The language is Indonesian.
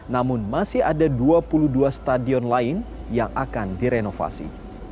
namun masih ada dua puluh dua stadion lain yang akan direnovasi